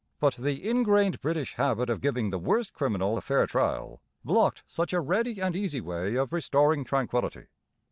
But the ingrained British habit of giving the worst criminal a fair trial blocked such a ready and easy way of restoring tranquillity.